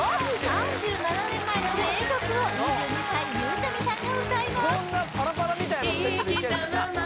３７年前の名曲を２２歳ゆうちゃみさんが歌います